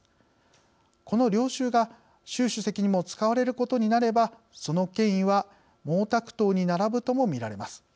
この領袖が習主席にも使われることになればその権威は毛沢東に並ぶともみられます。